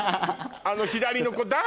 あの左の子誰？